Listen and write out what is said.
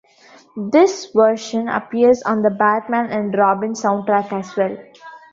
This version appears on the "Batman and Robin" soundtrack as well.